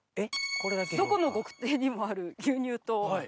どこのご家庭にもある牛乳と。